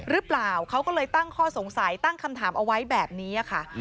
หรือเปล่าเขาก็เลยตั้งข้อสงสัยตั้งคำถามเอาไว้แบบนี้ค่ะ